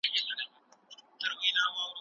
ملتونو به خپل سفارتونه پرانیستي وه.